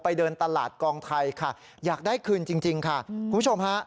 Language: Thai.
เดินตลาดกองไทยค่ะอยากได้คืนจริงค่ะคุณผู้ชมฮะ